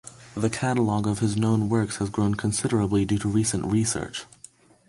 The catalog of his known works has grown considerably due to recent research.